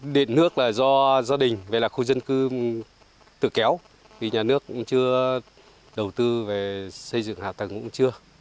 điện nước là do gia đình về là khu dân cư tự kéo vì nhà nước cũng chưa đầu tư về xây dựng hạ tầng cũng chưa